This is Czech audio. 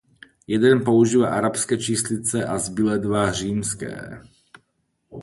Jeden používá arabské číslice a zbylé dva římské.